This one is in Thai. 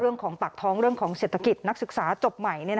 เรื่องของปากท้องเรื่องของเศรษฐกิจนักศึกษาจบใหม่